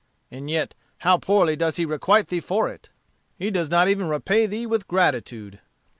And yet how poorly does he requite thee for it! He does not even repay thee with gratitude."